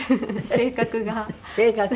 性格が。